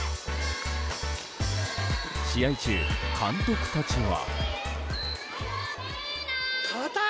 試合中、監督たちは。